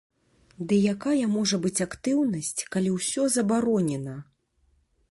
Ды якая можа быць актыўнасць, калі ўсё забаронена?